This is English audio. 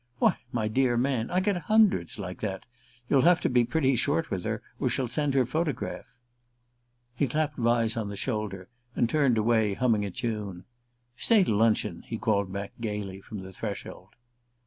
"Why, my dear man, I get hundreds like that. You'll have to be pretty short with her, or she'll send her photograph." He clapped Vyse on the shoulder and turned away, humming a tune. "Stay to luncheon," he called back gaily from the threshold.